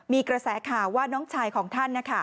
มีกระแสข่าวว่าน้องชายของท่าน